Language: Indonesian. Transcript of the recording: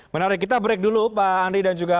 menarik kita break dulu pak andi dan juga